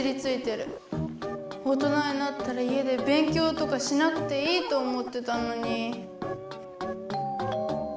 大人になったら家で勉強とかしなくていいと思ってたのに。